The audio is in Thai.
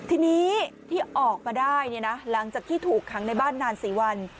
ทีนี้ที่ออกมาได้หลังจากที่ถูกขังในบ้านนาน๔วัน